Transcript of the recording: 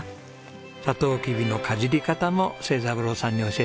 サトウキビのかじり方も成三郎さんに教えてもらいました。